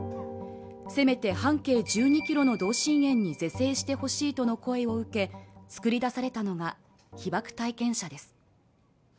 せめて半径１２ｋｍの同心円に是正してほしいとの声を受け作り出されたのが被爆体験者です